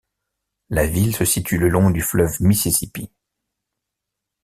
La ville se situe le long du fleuve Mississippi.